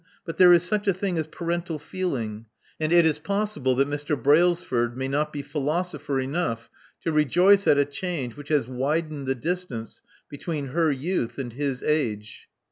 ''But there is such a thing as parental feeling; and it is possible that Mr. Brailsford may not be philosopher enough to rejoice at a change which has widened the distance between her youth and his age."